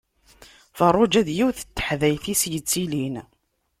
Ferruǧa d yiwet n teḥdayt i as-yettilin.